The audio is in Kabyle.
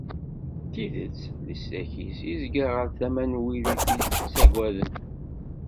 D tidet, leslak-is izga ɣer tama n wid i t-ittaggaden.